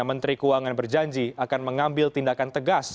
menteri keuangan berjanji akan mengambil tindakan tegas